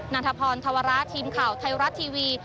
นรัฐผลธวรรคทีมข่าวไทยรัฐทีวี